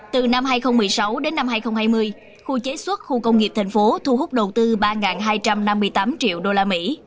từ năm hai nghìn một mươi sáu đến năm hai nghìn hai mươi khu chế xuất khu công nghiệp thành phố thu hút đầu tư ba hai trăm năm mươi tám triệu đô la mỹ